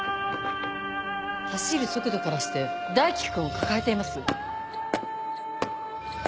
走る速度からして大樹君を抱えています。